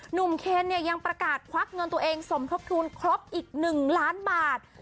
เคนเนี่ยยังประกาศควักเงินตัวเองสมทบทุนครบอีก๑ล้านบาท